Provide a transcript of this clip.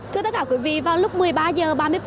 thưa tất cả quý vị vào lúc một mươi ba h ba mươi